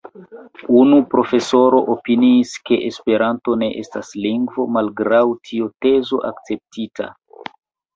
Unu profesoro opiniis, ke Esperanto ne estas lingvo, malgraŭ tio tezo akceptita.